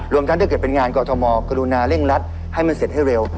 รวมทั้งที่เก็บเป็นงานก่อธมกรุณาเร่งรัดให้มันเสร็จให้เร็ว